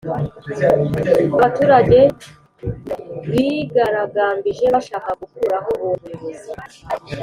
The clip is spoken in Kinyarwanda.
Abaturage bigaragambije bashaka gukuraho uwo muyobozi